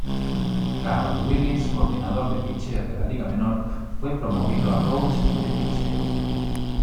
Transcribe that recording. Carl Willis coordinador de pitcheo de Liga Menor, fue promovido a coach de pitcheo.